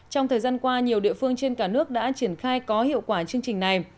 trong thời gian qua nhiều địa phương trên cả nước đã triển khai có hiệu quả chương trình này